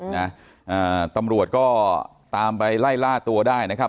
นะอ่าตำรวจก็ตามไปไล่ล่าตัวได้นะครับ